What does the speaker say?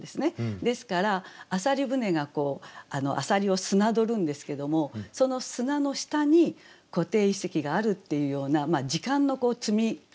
ですから浅蜊舟が浅蜊をすなどるんですけどもその砂の下に湖底遺跡があるっていうような時間の積み重ね